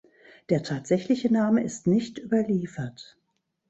Der tatsächliche Name ist nicht überliefert.